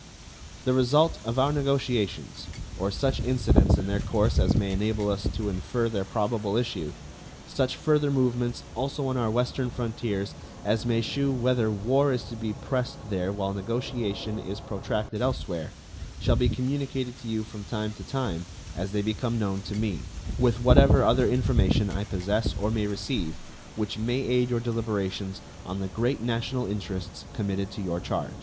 The result of our negotiations, or such incidents in their course as may enable us to infer their probable issue; such further movements also on our western frontiers as may shew whether war is to be pressed there while negotiation is protracted elsewhere, shall be communicated to you from time to time as they become known to me, with whatever other information I possess or may receive, which may aid your deliberations on the great national interests committed to your charge.